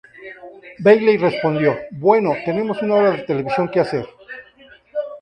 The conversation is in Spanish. Bailey respondió: "Bueno, tenemos una hora de televisión que hacer.